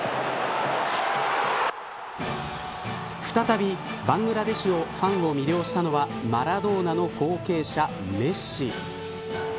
再びバングラデシュのファンを魅了したのはマラドーナの後継者、メッシ。